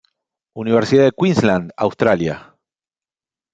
Universidad de Queensland, Australia.